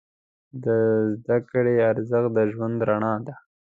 د زده کړې ارزښت د ژوند رڼا ده.